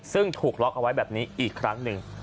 ซึ่งถูกล็อกเอาไว้แบบนี้อีกครั้งหนึ่ง